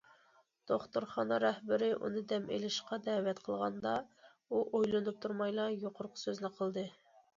دوختۇرخانا رەھبىرى ئۇنى دەم ئېلىشقا دەۋەت قىلغاندا، ئۇ ئويلىنىپ تۇرمايلا يۇقىرىقى سۆزنى قىلدى.